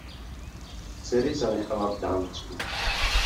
Dcery zanechala v Dánsku.